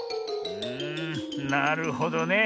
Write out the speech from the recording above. うんなるほどね。